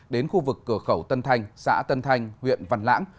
đến khu vực cửa khẩu tân thanh xã tân thanh huyện văn lãng